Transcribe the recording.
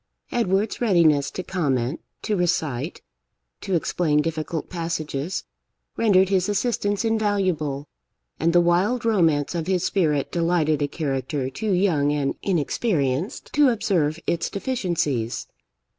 Edward's readiness to comment, to recite, to explain difficult passages, rendered his assistance invaluable; and the wild romance of his spirit delighted a character too young and inexperienced to observe its deficiencies.